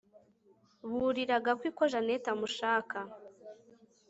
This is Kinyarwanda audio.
burira gakwi ko jeanette amushaka